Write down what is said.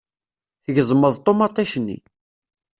Tgezmeḍ ṭumaṭic-nni.